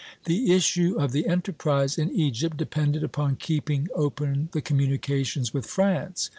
The issue of the enterprise in Egypt depended upon keeping open the communications with France.